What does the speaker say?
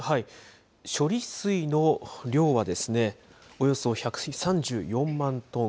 処理水の量は、およそ１３４万トン。